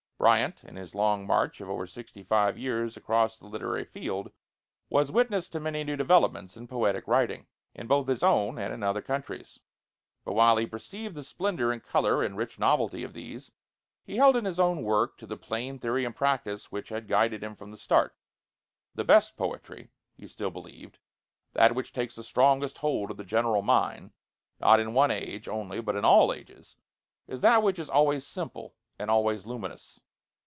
Bryant, in his long march of over sixty five years across the literary field, was witness to many new developments in poetic writing, in both his own and other countries. But while he perceived the splendor and color and rich novelty of these, he held in his own work to the plain theory and practice which had guided him from the start. "The best poetry," he still believed "that which takes the strongest hold of the general mind, not in one age only but in all ages is that which is always simple and always luminous."